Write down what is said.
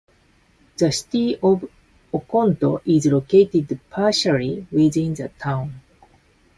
The City of Oconto is located partially within the town.